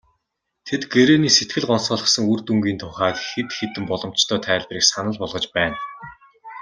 Тэд гэрээний сэтгэл гонсойлгосон үр дүнгийн тухайд хэд хэдэн боломжтой тайлбарыг санал болгож байна.